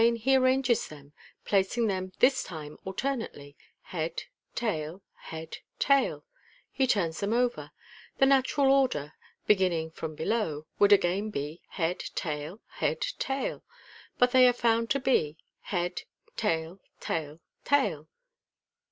Again he arranges them, placing them this time alternately— head, tail, head, tail. He turns them over. The natural order (beginning from below) would again be head, tail, head, tail j but they are found to be head, tail, tail, tail.